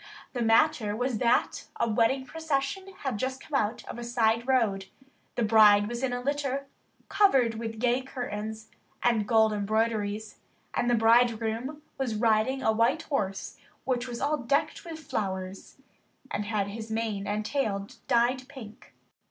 The matter was that a wedding procession had just come out of a side road. The bride was in a litter covered with gay curtains and gold embroideries, and the bridegroom was riding a white horse which was all decked with flowers, and had his mane and tail dyed pink.